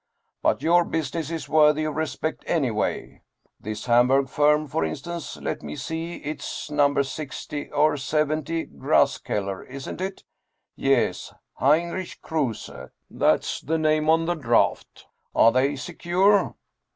But your business is worthy of respect anyway. This Hamburg firm, for in stance let me see it's No. 60 or 70 Graskeller, isn't it ? yes, Heinrich Kruse, that's the name on the draft. Are they secure